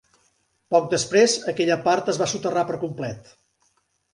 Poc després, aquella part es va soterrar per complet.